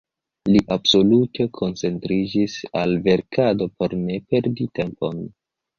Li absolute koncentriĝis al verkado por ne perdi tempon.